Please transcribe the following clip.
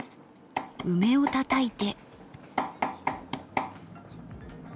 梅をたたいて。